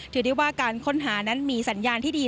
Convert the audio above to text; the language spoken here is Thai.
ถือได้ว่าการค้นหานั้นมีสัญญาณที่ดี